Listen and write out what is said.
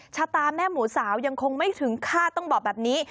ชะตาแม่หมูสาวยังคงไม่ถึงคาดต้องบอกแบบนี้